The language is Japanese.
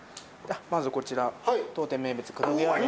まずこちら当店名物黒毛和牛。